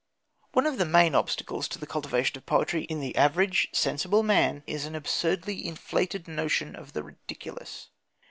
One of the main obstacles to the cultivation of poetry in the average sensible man is an absurdly inflated notion of the ridiculous.